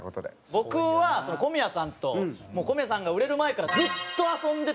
僕はその小宮さんともう小宮さんが売れる前からずっと遊んでて。